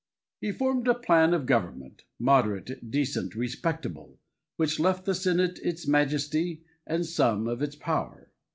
He formed a plan of government, moderate, decent, respectable, which left the senate its majesty, and some of its power.